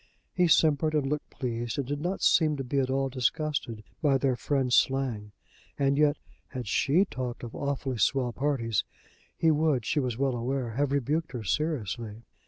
He simpered and looked pleased and did not seem to be at all disgusted by their friend's slang, and yet had she talked of "awfully swell" parties, he would, she was well aware, have rebuked her seriously.